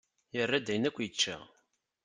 Yerra-d ayen akk i yečča.